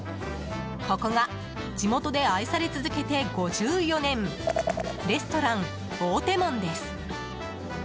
ここが地元で愛され続けて５４年レストラン大手門です。